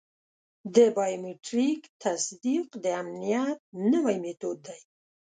د بایومټریک تصدیق د امنیت نوی میتود دی.